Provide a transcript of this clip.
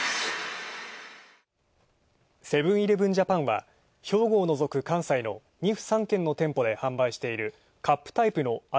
セブン‐イレブン・ジャパンは兵庫を除く関西の２府３県の店舗で販売しているカップタイプの味